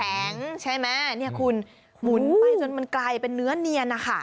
ใช่ไหมเนี่ยคุณหมุนไปจนมันกลายเป็นเนื้อเนียนนะคะ